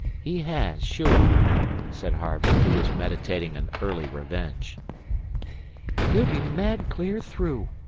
"He has, sure," said Harvey, who was meditating an early revenge. "He'll be mad clear through.